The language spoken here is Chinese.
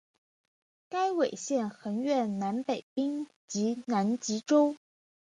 此纬线横越南冰洋及南极洲。